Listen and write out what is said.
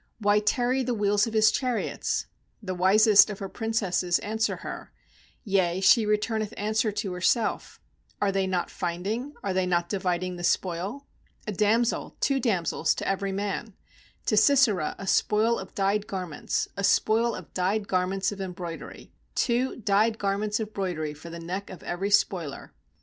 Why tarry the wheels of his char iots?' MThe wisest of her princesses answer her, Yea, she returneth answer to herself 3°'Are they not finding, are they not dividing the spoil? A damsel, two damsels to every man; To Sisera a spoil of dyed garments, A spoil of dyed garments of em broidery, Two dyed garments of broidery for the neck of every spoiler?'